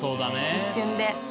一瞬で。